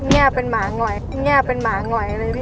นี่เป็นหมาหง่อยนี่เป็นหมาหง่อยเลยพี่